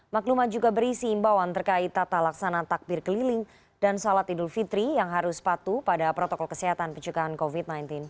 maklumat juga berisi imbauan terkait tata laksana takbir keliling dan salat idul fitri yang harus patuh pada protokol kesehatan pencegahan covid sembilan belas